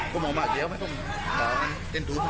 กรับรูดเหมือนคนเดินดูถ่าย